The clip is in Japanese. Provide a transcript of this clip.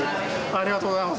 ありがとうございます。